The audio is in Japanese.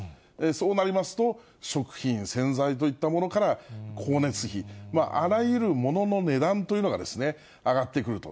そうなりますと、食品、洗剤といったものから、光熱費、あらゆるものの値段というのが、上がってくると。